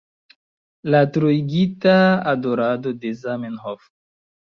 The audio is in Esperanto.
La troigita adorado de Zamenhof?